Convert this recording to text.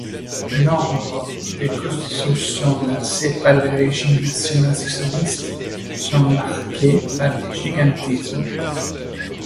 Nombre des constructions lancées par le régime national-socialiste sont marquées par le gigantisme.